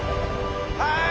はい！